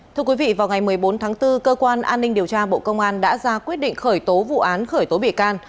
thưa quý vị vào ngày một mươi bốn tháng bốn cơ quan an ninh điều tra bộ công an đã ra quyết định khởi tố vụ án khởi tố bị can